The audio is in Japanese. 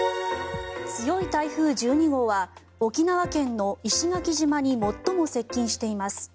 強い台風１２号は沖縄県の石垣島に最も接近しています。